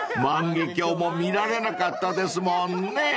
［万華鏡も見られなかったですもんね］